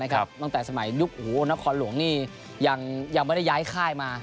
ตั้งแต่สมัยยุคนครหลวงนี่ยังไม่ได้ย้ายค่ายมา